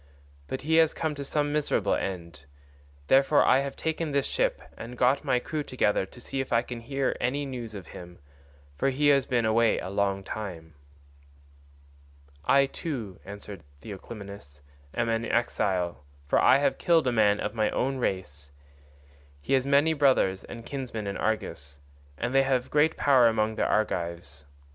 But he has come to some miserable end. Therefore I have taken this ship and got my crew together to see if I can hear any news of him, for he has been away a long time." "I too," answered Theoclymenus, "am an exile, for I have killed a man of my own race. He has many brothers and kinsmen in Argos, and they have great power among the Argives.